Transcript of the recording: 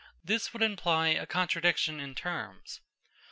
This would imply a contradiction in terms.